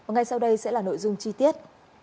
ngay sau đây sẽ là nội dung chi tiết